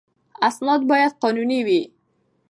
اسناد باید قانوني وي.